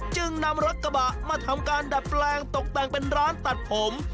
จึงนำรถกระบะมาทำการดัดแปลงตกแต่งเป็นร้านตัดผม